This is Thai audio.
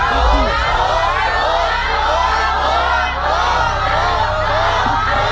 ถูก